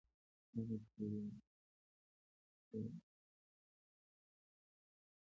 دغه تیوري موږ ته پر عمده مشابهتونو تمرکز فرصت راکوي.